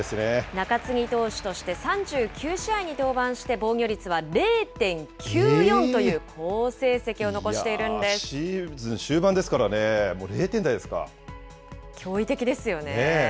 中継ぎ投手として３９試合に登板して、防御率は０．９４といシーズン終盤ですからね、驚異的ですよね。